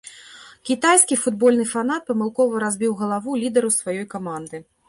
Кітайскі футбольны фанат памылкова разбіў галаву лідару сваёй каманды.